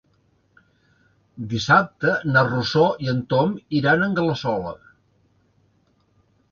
Dissabte na Rosó i en Tom iran a Anglesola.